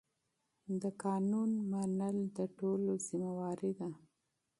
د قانون اطاعت د ټولو وجیبه ده.